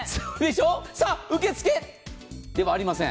受け付けではありません。